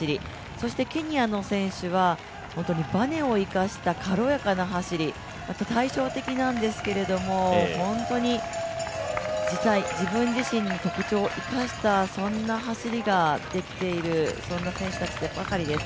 そしてケニアの選手はバネを生かした軽やかな走り、対照的なんですけれども、本当に自分自身の特徴を生かしたそんな走りができているそんな選手たちばかりです。